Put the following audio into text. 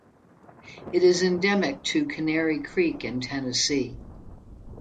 It is endemic to Caney Creek in Tennessee.